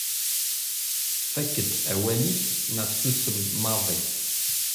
Fakk-d awal-ik neɣ susem maḍi.